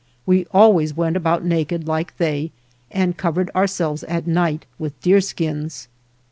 We always went about naked like they and covered ourselves at night with deer skins.